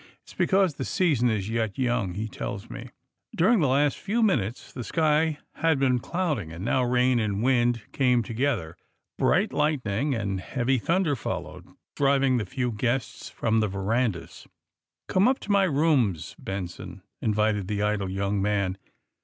^^It^s because the season is yet young, he tells me. '^ During the last few minutes the sky had been clouding, and now rain and wind came together. Bright lightning and heavy thunder followed, driving the few guests from the verandas. '^ Come up to my rooms, Benson, '' invited the idle young man.